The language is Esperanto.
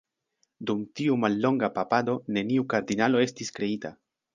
Dum tiu mallonga papado neniu kardinalo estis kreita.